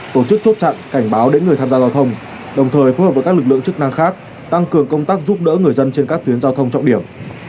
tổ chức chốt chặn cảnh báo đến người tham gia giao thông đồng thời phối hợp với các lực lượng chức năng khác tăng cường công tác giúp đỡ người dân trên các tuyến giao thông trọng điểm